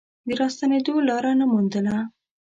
د راستنېدو لاره نه موندله.